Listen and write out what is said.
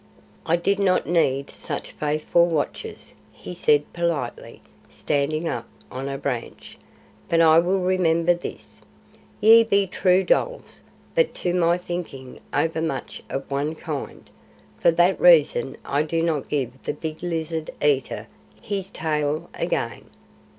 "I did not need such faithful watchers," he said politely, standing up on a branch, "but I will remember this. Ye be true dholes, but to my thinking over much of one kind. For that reason I do not give the big lizard eater his tail again.